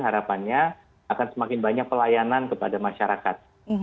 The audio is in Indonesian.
harapannya akan semakin banyak pelayanan kepada masyarakat